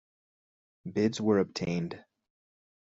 Bids were obtained.